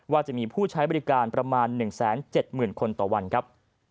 ว่าจะมีผู้ใช้บริการประมาณ๑๗๐๐คนต่อวันครับ